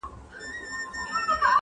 هم یې غزل خوږ دی هم ټپه یې نازنینه ده.